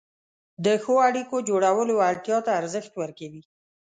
د ښو اړیکو جوړولو وړتیا ته ارزښت ورکوي،